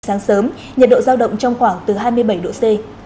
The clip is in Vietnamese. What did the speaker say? sáng sớm nhiệt độ giao động trong khoảng từ hai mươi bảy độ c